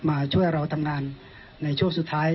มาช่วยเราทำงานในช่วงสุดท้าย